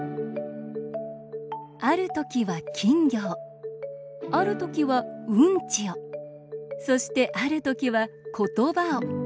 ある時は、金魚をある時は、うんちをそして、ある時は言葉を。